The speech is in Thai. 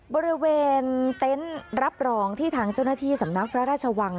บริเวณเต็นต์รับรองที่ทางเจ้าหน้าที่สำนักพระราชวัง